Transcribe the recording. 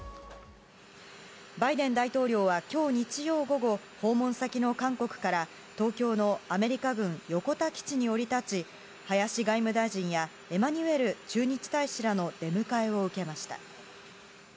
バイデン大統領はきょう日曜午後、訪問先の韓国から、東京のアメリカ軍横田基地に降り立ち、林外務大臣やエマニュエル駐日大使らの出迎えを受けました。